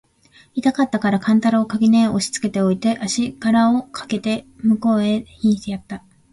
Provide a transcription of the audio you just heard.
痛かつたから勘太郎を垣根へ押しつけて置いて、足搦あしがらをかけて向へ斃してやつた。